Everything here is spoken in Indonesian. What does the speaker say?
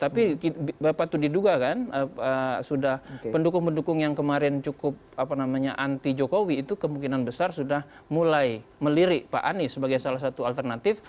tapi bapak itu diduga kan sudah pendukung pendukung yang kemarin cukup anti jokowi itu kemungkinan besar sudah mulai melirik pak anies sebagai salah satu alternatif